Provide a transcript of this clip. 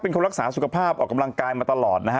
คนรักษาสุขภาพออกกำลังกายมาตลอดนะฮะ